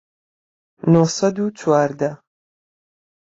نۆ سەد و چواردە